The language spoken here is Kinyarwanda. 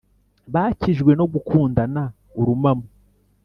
bakijijwe no gukundana urumamo.